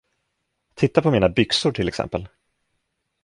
Titta på mina byxor till exempel!